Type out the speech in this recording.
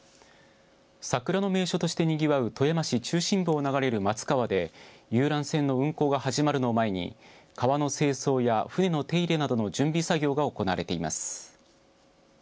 桜の名所としてにぎわう富山市中心部を流れる松川で遊覧船の運航が始まるのを前に川の清掃や船の手入れなどの準備作業が行われています。